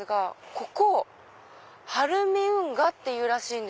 ここ晴海運河っていうらしいんです。